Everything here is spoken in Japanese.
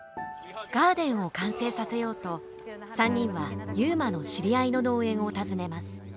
ガーデンを完成させようと３人は悠磨の知り合いの農園を訪ねます。